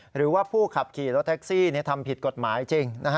หรือว่าผู้ขับขี่รถแท็กซี่ทำผิดกฎหมายจริง